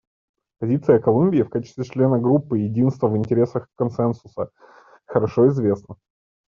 Позиция Колумбии в качестве члена группы «Единство в интересах консенсуса» хорошо известна.